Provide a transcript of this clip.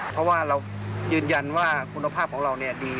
เพราะว่าเรายืนยันว่าคุณภาพของเราดี